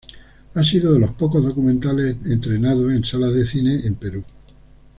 Ha sido de los pocos documentales estrenados en salas de cine en Perú.